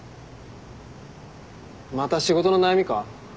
また仕事の悩みか？